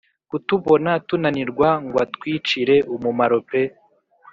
kutubona tunanirwa ngw atwicire umumaro pe !